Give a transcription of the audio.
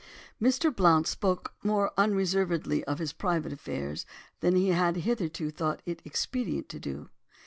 Mr. Blount spoke more unreservedly of his private affairs than he had hitherto thought it expedient to do.